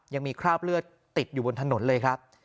ยังมีคราบเลือดติดอยู่บนถนนเลยครับ